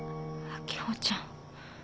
秋穂ちゃん。